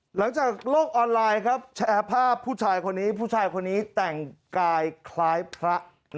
หลังจากโลกออนไลน์ครับแชร์ภาพผู้ชายคนนี้ผู้ชายคนนี้แต่งกายคล้ายพระ